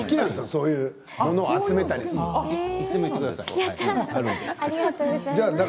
そういうものを集めたりするのが。